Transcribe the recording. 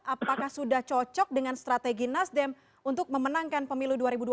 apakah sudah cocok dengan strategi nasdem untuk memenangkan pemilu dua ribu dua puluh